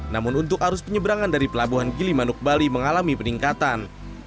namun untuk arus penyeberangan dari pelabuhan gilimanuk bali mengalami peningkatan